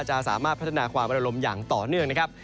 จะสามารถพัฒนาความระลมอย่างต่อเนื่องนะครับ